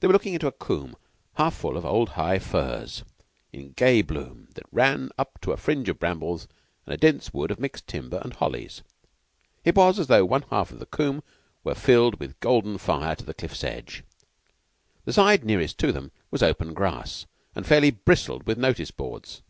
They were looking into a combe half full of old, high furze in gay bloom that ran up to a fringe of brambles and a dense wood of mixed timber and hollies. It was as though one half the combe were filled with golden fire to the cliff's edge. The side nearest to them was open grass, and fairly bristled with notice boards.